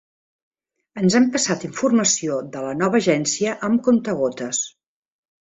Ens han passat informació de la nova agència amb comptagotes.